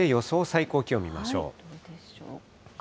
最高気温見ましょう。